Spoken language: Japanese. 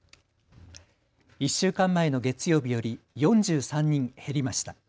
１週間前の月曜日より４３人減りました。